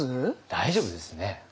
大丈夫ですよね？